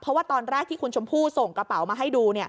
เพราะว่าตอนแรกที่คุณชมพู่ส่งกระเป๋ามาให้ดู